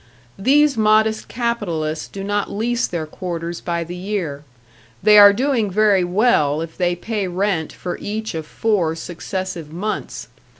These modest capitalists do not lease their quarters by the year. They are doing very well if they pay rent for each of four successive months.